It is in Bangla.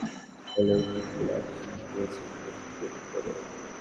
জেলা স্টেডিয়ামে টুর্নামেন্ট শুরু হলেও কিছু ম্যাচ হবে সিলেট আন্তর্জাতিক ক্রিকেট স্টেডিয়ামেও।